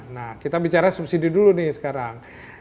nah kita bicara subsidi dulu nih sekarang